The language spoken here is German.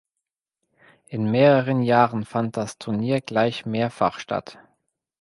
In mehreren Jahren fand das Turnier gleich mehrfach statt.